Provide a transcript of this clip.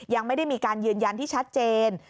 ยังไม่ได้มีการยืนยันที่ชัดเจน